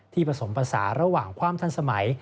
ผสมภาษาระหว่างความทันสมัย